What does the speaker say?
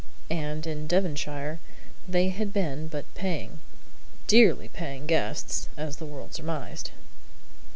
And in Devonshire they had been but paying dearly paying! guests, as the world surmised.